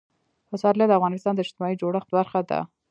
پسرلی د افغانستان د اجتماعي جوړښت برخه ده.